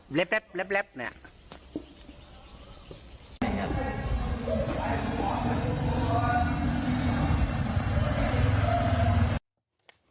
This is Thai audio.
แบบแบบแบบแบบเนี่ย